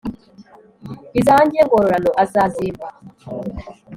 izanjye ngororano azazimpa,